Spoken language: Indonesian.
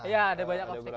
ya ada banyak opsi